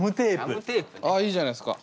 ああいいじゃないっすか。